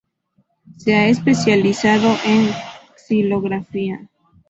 Se ha especializado en xilografía.